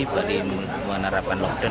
bali menerapkan lockdown